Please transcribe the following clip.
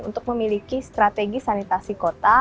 untuk memiliki strategi sanitasi kota